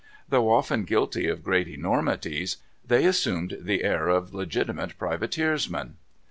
Though often guilty of great enormities, they assumed the air of legitimate privateersmen.